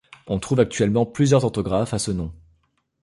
On trouve actuellement plusieurs orthographes à ce nom.